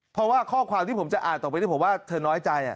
เพราะว่าข้อความที่ผมจะอ่านต่อไปที่ผมว่าเธอน้อยใจ